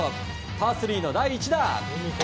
パー３の第１打。